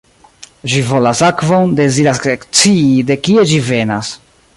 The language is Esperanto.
Ŝi volas akvon — deziras ekscii de kie ĝi venas.